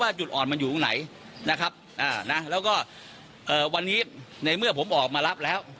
จุดอ่อนมันอยู่ตรงไหนนะครับแล้วก็วันนี้ในเมื่อผมออกมารับแล้ว